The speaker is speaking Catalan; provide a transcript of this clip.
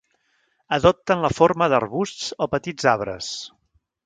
Adopten la forma d'arbusts o petits arbres.